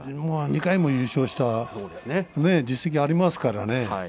２回も優勝した実績がありますからね。